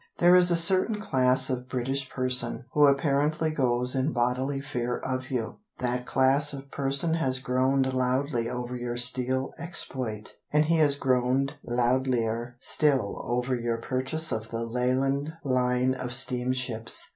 There is a certain class of British person Who apparently goes in bodily fear of you. That class of person has groaned loudly over your steel exploit, And he has groaned loudlier still Over your purchase of the Leyland Line of Steamships.